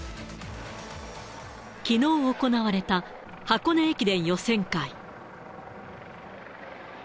きのう行われた箱根駅伝予選会。